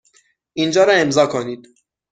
اینجا را امضا کنید.